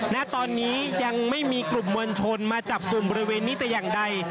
ณตอนนี้ยังไม่มีกลุ่มมวลชนมาจับกลุ่มบริเวณนี้แต่อย่างใด